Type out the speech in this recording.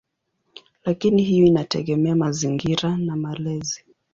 Lakini hiyo inategemea mazingira na malezi.